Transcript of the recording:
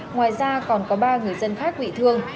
ngoài ra còn có ba người dân khác bị thương